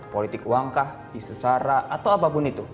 politik uangkah istusara atau apapun itu